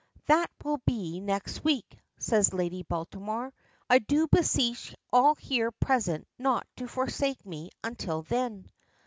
"That will be next week," says Lady Baltimore. "I do beseech all here present not to forsake me until then."